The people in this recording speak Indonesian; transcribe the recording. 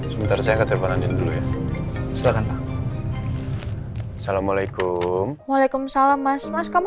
sebentar saya ke depan dulu ya silakan pak assalamualaikum waalaikumsalam mas mas kamu